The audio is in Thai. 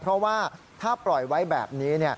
เพราะว่าถ้าปล่อยไว้แบบนี้